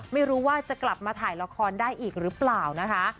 ไม่รู้ว่าจะกลับมาถ่ายละครได้อีกหรือเปล่านะคะ